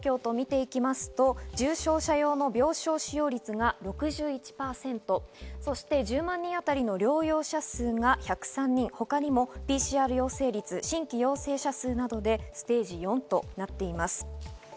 東京都を見てきますと重症者用の病床使用率が６１％、１０万人あたりの療養者数が１０３人、他にもＰＣＲ陽性率、新規陽性者数などでステージ４となっています。